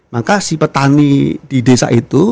maka si petani di desa itu